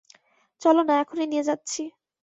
চলো-না, এখনই নিয়ে যাচ্ছি।